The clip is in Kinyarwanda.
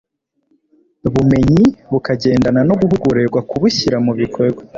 bumenyi bukagendana no guhugurirwa kubushyira mu bikorwa